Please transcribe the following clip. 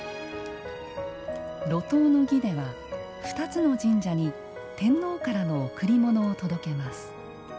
路頭の儀では、２つの神社に天皇からの贈り物を届けます。